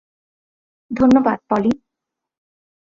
ধন্যবাদ, পলি।